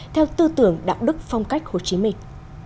theo tư tưởng đạo đức phong cách hồ chí minh